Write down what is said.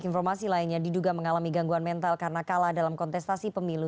informasi lainnya diduga mengalami gangguan mental karena kalah dalam kontestasi pemilu